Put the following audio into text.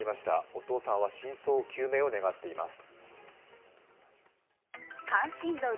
お父さんは真相究明を願っています。